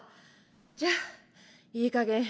じゃあいいかげん